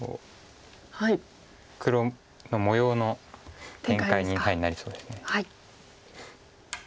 黒の模様の展開になりそうです。